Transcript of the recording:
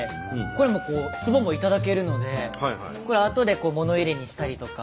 これもつぼも頂けるのでこれあとで物入れにしたりとか。